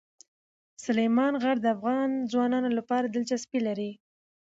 سلیمان غر د افغان ځوانانو لپاره دلچسپي لري.